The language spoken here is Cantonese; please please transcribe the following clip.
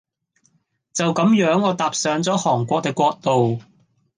就這樣我踏上了韓國的國度